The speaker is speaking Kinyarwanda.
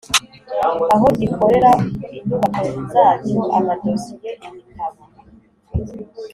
aho gikorera inyubako zacyo amadosiye ibitabo